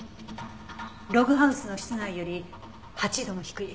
ログハウスの室内より８度も低い。